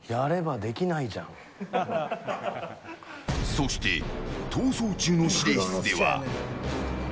そして「逃走中」の指令室では。